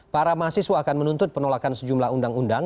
para mahasiswa akan menuntut penolakan sejumlah undang undang